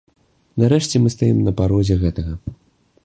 Нарэшце мы стаім на парозе гэтага.